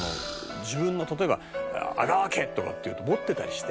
自分の例えば阿川家とかっていうの持ってたりして」